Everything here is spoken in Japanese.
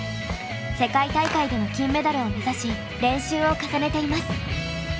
世界大会での金メダルを目指し練習を重ねています。